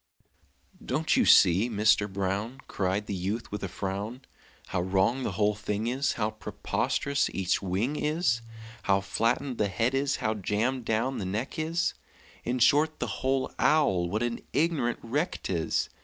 "Don't you see, Mister Brown," Cried the youth, with a frown, "How wrong the whole thing is, How preposterous each wing is, How flattened the head is, how jammed down the neck is In short, the whole owl, what an ignorant wreck 'tis!